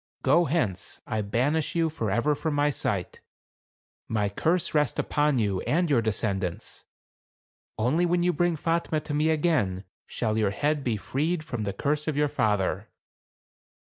Go hence ; I banish you for ever from my sight. My curse rest upon you and your descendants; only when you bring Fatme to me again, shall your head be freed from the curse of your father."